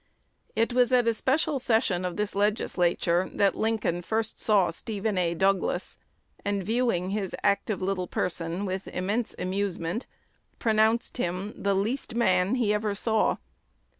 It was at a special session of this Legislature that Lincoln first saw Stephen A. Douglas, and, viewing his active little person with immense amusement, pronounced him "the least man he ever saw."